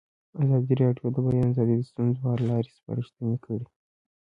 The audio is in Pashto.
ازادي راډیو د د بیان آزادي د ستونزو حل لارې سپارښتنې کړي.